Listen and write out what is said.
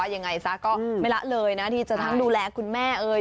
ยังไงซะก็ไม่ละเลยนะที่จะทั้งดูแลคุณแม่เอ่ย